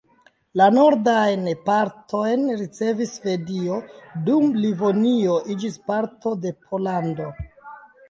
La nordajn partojn ricevis Svedio, dum Livonio iĝis parto de Pollando.